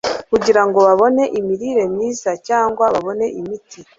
kugira ngo babone imirire myiza cyangwa ngo babone imiti